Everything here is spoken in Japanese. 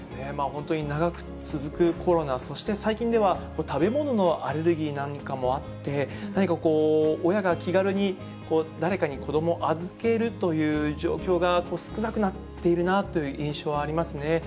本当に長く続くコロナ、そして最近では食べ物のアレルギーなんかもあって、何か親が気軽に誰かに子どもを預けるという状況が少なくなっているなという印象はありますね。